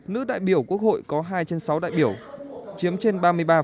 nữ đại biểu quốc hội có hai trên sáu đại biểu chiếm trên ba mươi ba